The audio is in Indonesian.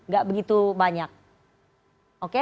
gak begitu banyak